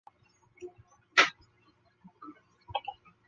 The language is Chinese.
这是叙利亚问题的决议草案第四次在安理会被俄中两国否决。